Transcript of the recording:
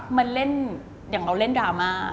มันเล่นอย่างเราเล่นดราม่า